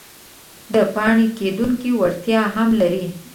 د پاڼې کیدو وړتیا هم لري.